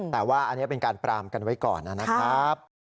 แต่ว่าอันนี้เป็นการปรามกันไว้ก่อนนะครับ